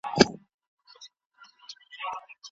هغوی د پخواني نظام جوړ سوی تاریخ ونړاوه.